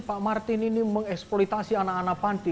pak martin ini mengeksploitasi anak anak panti